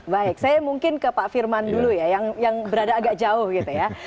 baik saya mungkin ke pak firman dulu ya yang berada agak jauh gitu ya